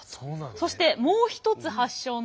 そしてもう一つ発祥のものが。